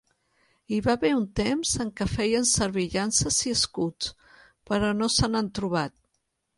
Hi va haver un temps en què feien servir llances i escuts, però no se n'han trobat.